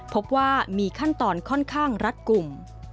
พบว่ามีขั้นตอนค่อนข้างรัดกลุ่ม